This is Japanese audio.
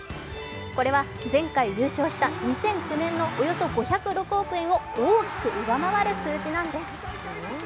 これは、前回優勝した２００９年のおよそ５０６億円を大きく上回る数字なんです。